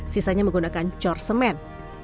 sisanya menggunakan cor semen